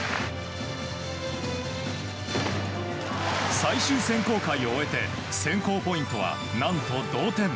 最終選考会を終えて選考ポイントは何と同点。